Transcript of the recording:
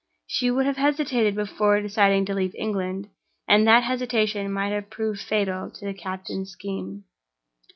She would have hesitated before deciding to leave England, and that hesitation might have proved fatal to the captain's scheme.